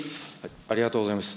ありがとうございます。